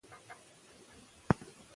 که انټرنیټ وي نو معلومات نه کمیږي.